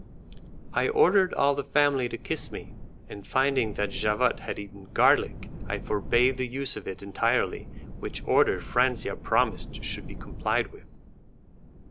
I ordered all the family to kiss me, and finding that Javotte had eaten garlic I forbade the use of it entirely, which order Franzia promised should be complied with.